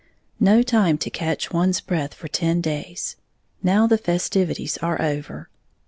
_ No time to catch one's breath for ten days. Now the festivities are over.